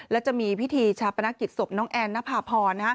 และจะมีพิธีชาปนกิจศพน้องแอนนภาพร